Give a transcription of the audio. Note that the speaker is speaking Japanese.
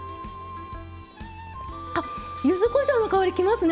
ゆずこしょうの香りきますね！